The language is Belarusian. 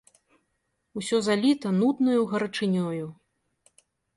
Усё заліта нуднаю гарачынёю.